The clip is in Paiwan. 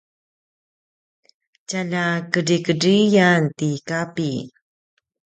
tjalja kedrikedriyan ti Kapi